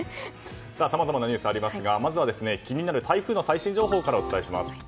さあ、さまざまなニュースがありますがまずは気になる台風の最新情報からお伝えします。